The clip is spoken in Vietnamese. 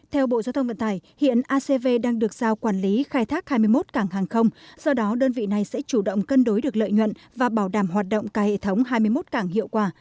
theo bộ giao thông vận tải hiện acv đang được giao quản lý khai thác hai mươi một cảng hàng không do đó đơn vị này sẽ chủ động cân đối được lợi nhuận và bảo đảm hoạt động cả hệ thống hai mươi một cảng hiệu quả